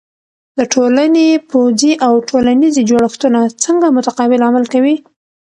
د ټولنې پوځی او ټولنیزې جوړښتونه څنګه متقابل عمل کوي؟